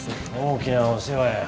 大きなお世話や。